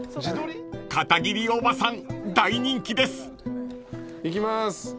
［片桐おばさん大人気です］いきます。